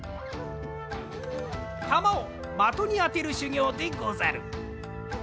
たまをまとにあてるしゅぎょうでござる。